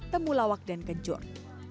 kulawak dan kencur